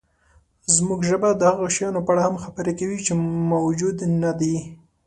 زموږ ژبه د هغو شیانو په اړه هم خبرې کوي، چې موجود نهدي.